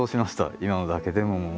今のだけでももう本当に。